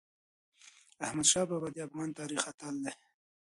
احمدشاه بابا د افغان تاریخ اتل دی.